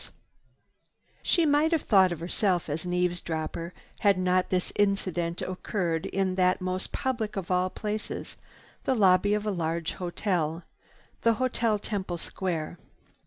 She might have thought of herself as an eavesdropper had not the incident occurred in that most public of all public places, the lobby of a large hotel, the Hotel Temple Square.